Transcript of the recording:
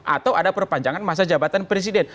atau ada perpanjangan masa jabatan presiden